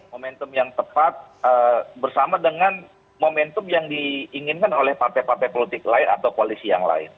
momentum yang tepat bersama dengan momentum yang diinginkan oleh partai partai politik lain atau koalisi yang lain